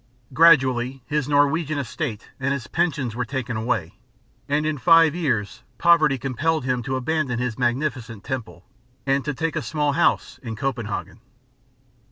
Gradually his Norwegian estate and his pension were taken away, and in five years poverty compelled him to abandon his magnificent temple, and to take a small house in Copenhagen.